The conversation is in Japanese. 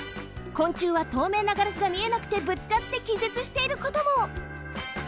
昆虫はとうめいなガラスが見えなくてぶつかってきぜつしていることも！